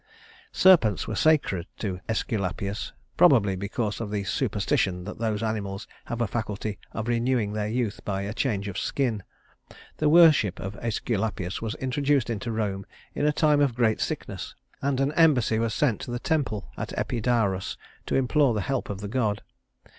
Serpents were sacred to Æsculapius, probably because of the superstition that those animals have a faculty of renewing their youth by a change of skin. The worship of Æsculapius was introduced into Rome in a time of great sickness, and an embassy was sent to the temple at Epidaurus to implore the help of the god.